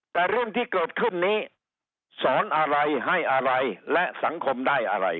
แต่เรื่องที่เกิดขึ้นนี้สอนอะไรให้อะไรและสังคมได้อะไร